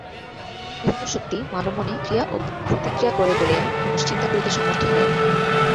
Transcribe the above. বিভিন্ন শক্তি মানব-মনে ক্রিয়া ও প্রতিক্রিয়া করে বলিয়াই মানুষ চিন্তা করিতে সমর্থ হয়।